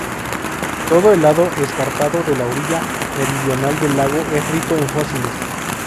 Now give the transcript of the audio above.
Todo el lado escarpado de la orilla meridional del lago es rico en fósiles.